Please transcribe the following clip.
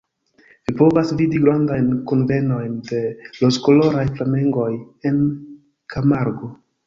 Vi povas vidi grandajn kunvenojn de rozkoloraj flamengoj en Kamargo.